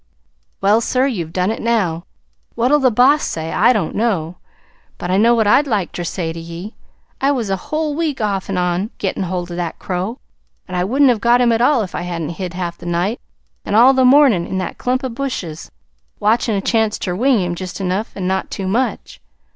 "Well, sir, you've done it now. What the boss'll say, I don't know; but I know what I'd like ter say to ye. I was a whole week, off an' on, gettin' hold of that crow, an' I wouldn't have got him at all if I hadn't hid half the night an' all the mornin' in that clump o' bushes, watchin' a chance ter wing him, jest enough an' not too much.